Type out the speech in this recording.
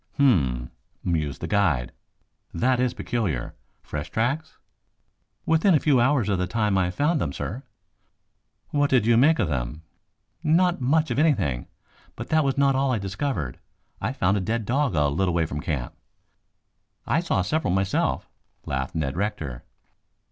"Hm m m!" mused the guide. "That is peculiar. Fresh tracks?" "Within a few hours of the time I found them, sir." "What did you make of them?" "Not much of anything. But that was not all I discovered. I found a dead dog a little way from camp." "I saw several myself," laughed Ned Rector.